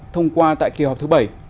thông qua tại kỳ họp thứ bảy